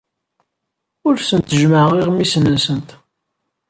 Ur asent-jemmɛeɣ iɣmisen-nsent.